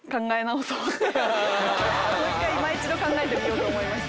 もう一回いま一度考えてみようと思いました。